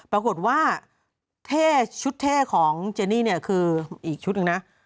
ปรากฏว่าเท่ชุดเท่ของเจนี่เนี่ยคืออีกชุดหนึ่งนะ